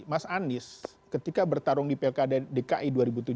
mas anies ketika bertarung di pilkada dki dua ribu tujuh belas